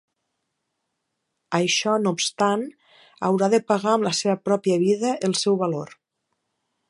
Això no obstant, haurà de pagar amb la seva pròpia vida el seu valor.